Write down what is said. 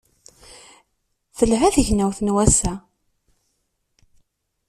Telha tegnawt n wass-a.